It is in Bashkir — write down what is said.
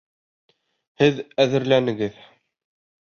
Һеҙ әҙерләнегеҙ!